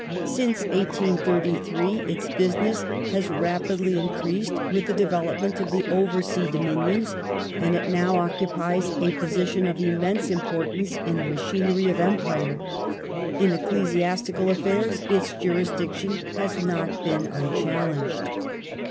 Since 1833 its business has rapidly increased with the de velopment of the over sea dominions, and it now occupies a posi tion of immense importance in the machinery of Empire. In ecclesiastical affairs its jurisdiction has not been unchallenged.